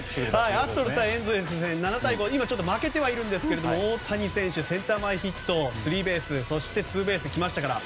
アストロズ対エンゼルス７対５と今ちょっと負けてはいるんですけど大谷選手、センター前ヒットスリーベースそしてツーベースときましたから。